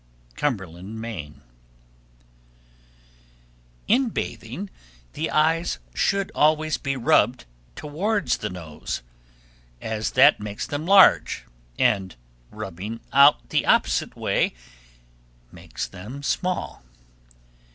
Cumberland, Me. 1285. In bathing, the eyes should always be rubbed towards the nose, as that makes them large, and rubbing out the opposite way makes them small.